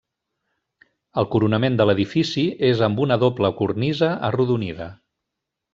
El coronament de l'edifici és amb una doble cornisa arrodonida.